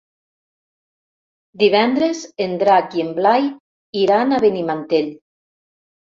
Divendres en Drac i en Blai iran a Benimantell.